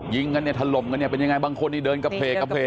ยิงกันทะลมกันเป็นยังไงบางคนเดินกระเพกกำแพก